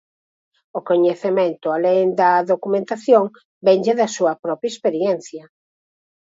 O coñecemento, alén da documentación, vénlle da súa propia experiencia.